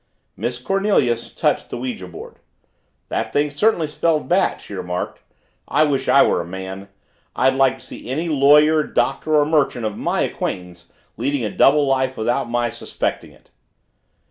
Miss Cornelia touched the ouija board. "That thing certainly spelled Bat," she remarked. "I wish I were a man. I'd like to see any lawyer, Doctor, or merchant of my acquaintance leading a double life without my suspecting it."